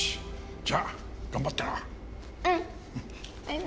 じゃあ、頑張ってな。